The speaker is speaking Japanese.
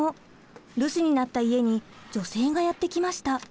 留守になった家に女性がやって来ました。